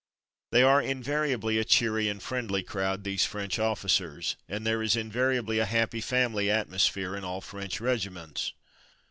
They are invariably a cheery and friendly crowd, these French officers, and there is invariably a "happy family'' atmosphere in all French regiments.